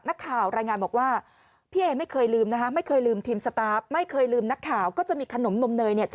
นักข่าวรายงานบอกว่าพี่เอไม่เคยลืมนะฮะ